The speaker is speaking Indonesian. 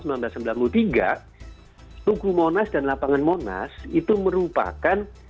tugu monas dan lapangan monas itu merupakan